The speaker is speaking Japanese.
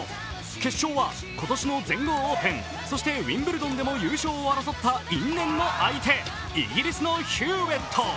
決勝は今年の全豪オープンそしてウィンブルドンでも優勝を争った因縁の相手、イギリスのヒューエット。